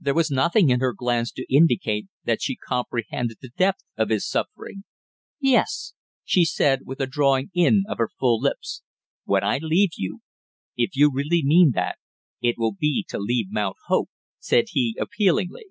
There was nothing in her glance to indicate that she comprehended the depth of his suffering. "Yes," she said, with a drawing in of her full lips. "When I leave you if you really mean that it will be to leave Mount Hope!" said he appealingly.